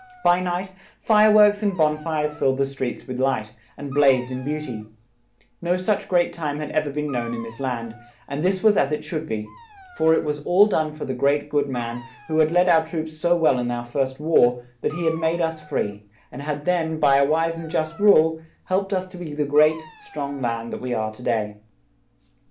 By night, fire works and bon fires filled the streets with light, and blazed in beau ty; no such great time had ever been known in this land; and this was as it should be; for it was all done for the great, good man, who had led our troops so well in our first war, that he had made us free; and had then, by a wise and just rule, helped us to be the great, strong land that we are to day.